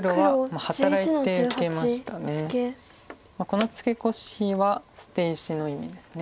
このツケコシは捨て石の意味です。